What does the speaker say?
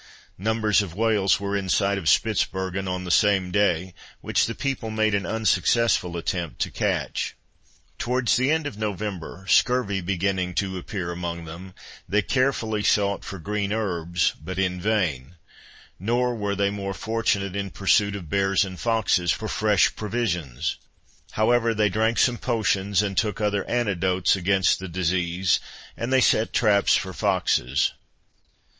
Numbers of whales were in sight of Spitzbergen on the same day, which the people made an unsuccessful attempt to catch. Towards the end of November, scurvy beginning to appear among them, they carefully sought for green herbs, but in vain; nor were they more fortunate in the pursuit of bears and foxes for fresh provisions. However, they drank some potions and took other antidotes against the disease, and then set traps for foxes.